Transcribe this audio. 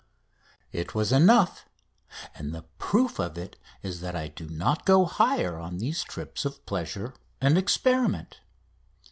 It was enough; and the proof of it is that I do not go higher on these trips of pleasure and experiment.